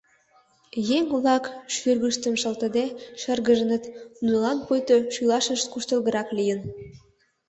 Еҥ-влак шӱргыштым шылтыде шыргыжыныт, нунылан пуйто шӱлашышт куштылгырак лийын.